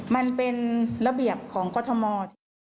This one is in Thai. มันเป็นระเบียบของกฎมอธ